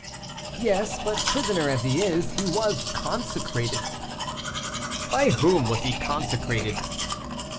"Yes, but prisoner as he is, he was consecrated." "By whom was he consecrated?"